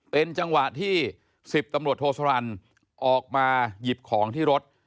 เป็นจังหวะที่๑๐ตำรวจโทสรรค์ออกมาหยิบของที่รถ